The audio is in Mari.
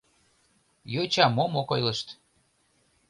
Йоча мом ок ойлышт?